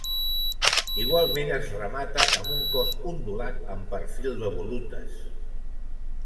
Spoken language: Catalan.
Igualment es remata amb un cos ondulat amb perfil de volutes.